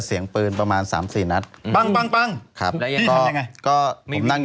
เดี๋ยวก่อนนะพี่เสียงก็ยิงขนาดนั้น